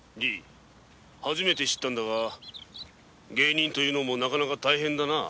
爺初めて知ったんだが芸人というのもなかなか大変だなあ。